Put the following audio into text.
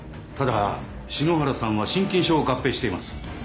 ただ篠原さんは心筋症を合併しています。